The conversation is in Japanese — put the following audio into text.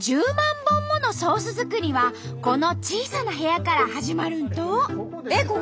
本ものソース作りはこの小さな部屋から始まるんと。